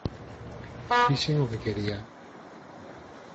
Fixen o que quería.